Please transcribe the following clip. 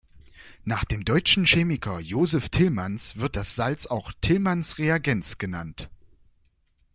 Nach dem deutschen Chemiker Josef Tillmans wird das Salz auch "Tillmans-Reagenz" genannt.